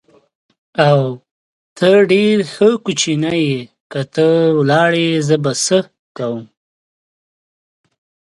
او، ته ډېر ښه کوچنی یې، که ته ولاړې زه به څه کوم؟